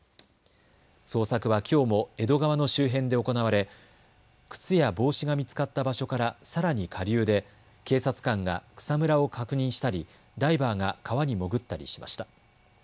捜索はきょうも江戸川の周辺で行われ靴や帽子が見つかった場所からさらに下流で警察官が草むらを確認したりダイバーが川に潜ったりしました。